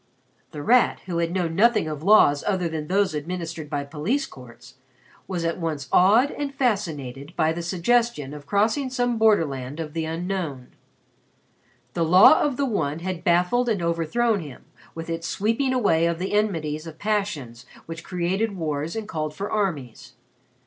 The Rat, who had known nothing of laws other than those administered by police courts, was at once awed and fascinated by the suggestion of crossing some borderland of the Unknown. The law of the One had baffled and overthrown him, with its sweeping away of the enmities of passions which created wars and called for armies.